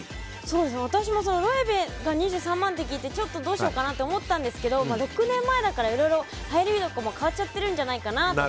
私もロエベが２３万って聞いてちょっとどうしようかなと思ったんですけど６年前だから、はやりとかも変わっちゃってるかなと